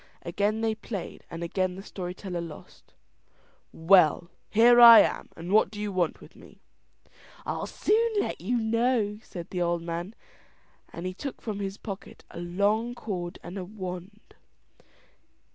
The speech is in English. Again they played, and again the story teller lost. "Well! here I am, and what do you want with me?" "I'll soon let you know," said the old man, and he took from his pocket a long cord and a wand.